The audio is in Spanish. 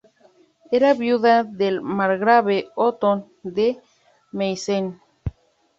Era viuda del margrave Otón I de Meissen.